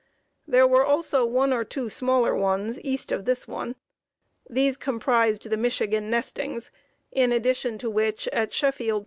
There were also one or two smaller ones, east of this one. These comprised the Michigan nestings, in addition to which, at Sheffield, Pa.